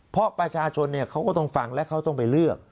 เพราะประชาชนเขาก็ต้องฟังและเขาต้องไปเลือก